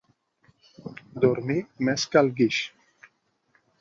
Dormir més que el guix.